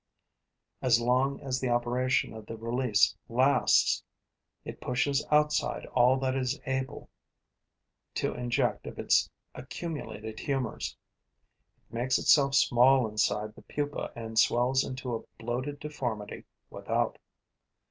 As long as the operation of the release lasts, it pushes outside all that it is able to inject of its accumulated humors; it makes itself small inside the pupa and swells into a bloated deformity without.